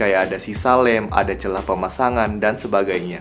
ada lem ada celah pemasangan dan sebagainya